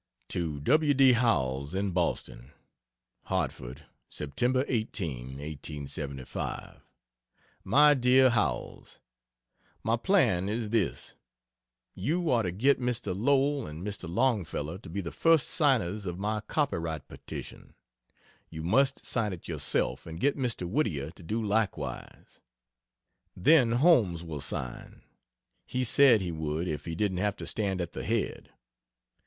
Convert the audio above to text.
To W. D. Howells, in Boston: HARTFORD, Sept. 18, 1875. MY DEAR HOWELLS, My plan is this you are to get Mr. Lowell and Mr. Longfellow to be the first signers of my copyright petition; you must sign it yourself and get Mr. Whittier to do likewise. Then Holmes will sign he said he would if he didn't have to stand at the head.